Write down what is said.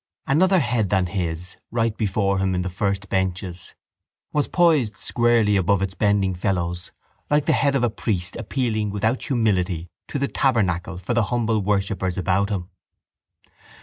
Another head than his, right before him in the first benches, was poised squarely above its bending fellows like the head of a priest appealing without humility to the tabernacle for the humble worshippers about him.